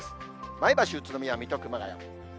前橋、宇都宮、水戸、熊谷。